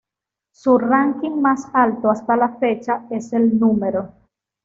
Su ránking más alto hasta la fecha es el No.